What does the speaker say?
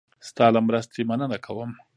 ستا له مرستې مننه کوم.